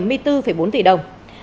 tuy nhiên kết luận thanh tra không làm rõ